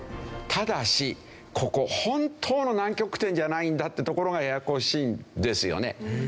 ただしここ本当の南極点じゃないんだってところがややこしいですよね。